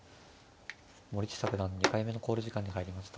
森下九段２回目の考慮時間に入りました。